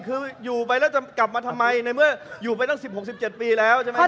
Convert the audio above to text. คืออยู่ไปแล้วจะกลับมาทำไมในเมื่ออยู่ไปตั้งสิบหกสี่เจ็บปีแล้วใช่ไหมครับ